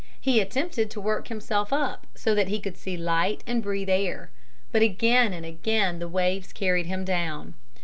He attempted to work himself up, so that he could see light and breathe the air. But again and again the waves carried him down.